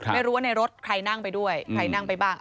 ไม่รู้ว่าในรถใครนั่งไปด้วยใครนั่งไปบ้าง